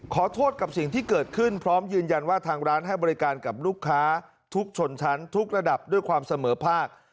ขอโทษกับสิ่งที่เกิดขึ้นพร้อมยืนยันว่าทางร้านให้บริการกับลูกค้าทุกชนชั้นทุกระดับด้วยความเสมอภาค